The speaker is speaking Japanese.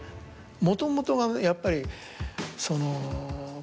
もともとがやっぱりその。